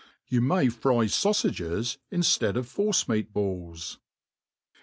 You may fry faufagcs inftead of lorce meat balls.